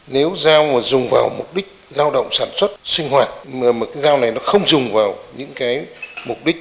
nếu giao dùng vào mục đích lao động sản xuất sinh hoạt mà cái giao này nó không dùng vào những cái mục đích